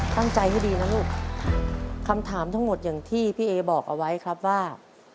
ตั้งใจให้ดีนะลูกคำถามทั้งหมดอย่างที่พี่เอบอกเอาไว้ครับว่า